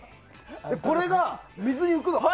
これが水に浮くの。